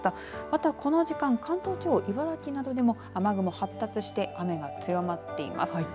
また、この時間関東地方茨城などでも雨雲発達して雨が強まっています。